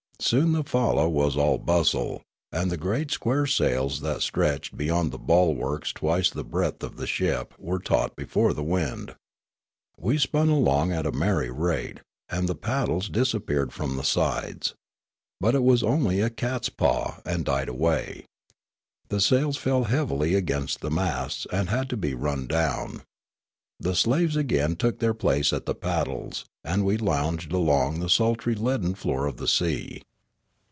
Soon the falla was all bustle, and the great square sails that stretched be yond the bulwarks twice the breadth of the ship were taut before the wind. We spun along at a merry rate, and the paddles disappeared from the sides. But it was only a catspaw, and died away. The sails fell heavily against the masts, and had to be run down. The slaves again took their place at the paddles, and we lounged along the sultry leaden floor of the sea.